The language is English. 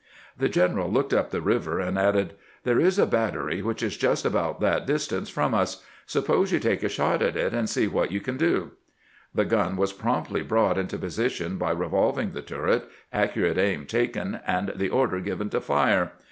The general looked up the river, and added: " There is a battery which is just about that distance from us. Suppose you take a shot at it, and see what you can do." The gun was promptly brought into position by revolving the turret, accurate aim taken, and the order given to fire.